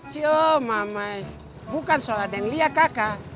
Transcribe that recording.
cium mamai bukan soal ada yang lihat kakak